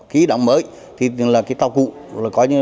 ký đồng mới thì là cái tàu cụ